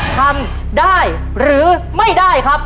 ทำได้หรือไม่ได้ครับ